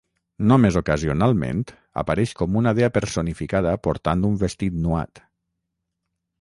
Només ocasionalment apareix com una dea personificada portant un vestit nuat.